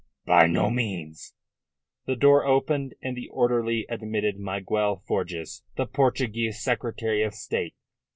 "By no means." The door opened, and the orderly admitted Miguel Forjas, the Portuguese Secretary of State.